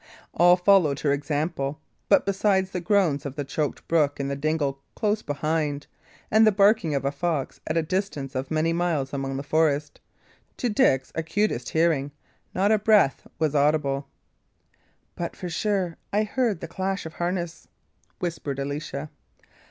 All followed her example; but besides the groans of the choked brook in the dingle close behind, and the barking of a fox at a distance of many miles among the forest, to Dick's acutest hearkening, not a breath was audible. "But yet, for sure, I heard the clash of harness," whispered Alicia.